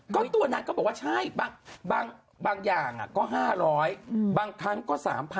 ก็ตัวนางก็บอกว่าใช่บางอย่างก็๕๐๐บางครั้งก็๓๐๐